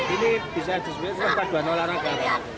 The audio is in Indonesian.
ini bisa disebut perpaduan olahraga